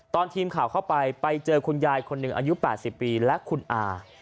ตอนทีมข่าวเข้าไปไปเจอคุณยายคนหนึ่งอายุ๘๐ปีและคุณอา